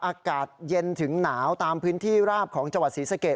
อากาศเย็นถึงหนาวตามพื้นที่ราบของจังหวัดศรีสะเกด